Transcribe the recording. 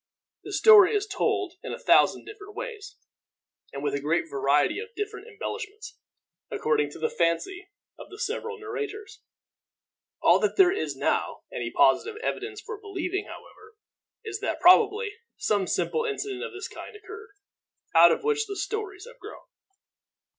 The story is told in a thousand different ways, and with a great variety of different embellishments, according to the fancy of the several narrators; all that there is now any positive evidence for believing, however, is, that probably some simple incident of the kind occurred, out of which the stories have grown.